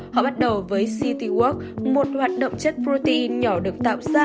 họ bắt đầu với citywork một hoạt động chất protein nhỏ được tạo ra